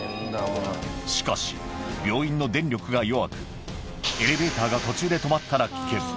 しかし、病院の電力が弱く、エレベーターが途中で止まったら危険。